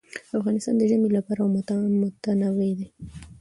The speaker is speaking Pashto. افغانستان د ژمی له پلوه متنوع دی.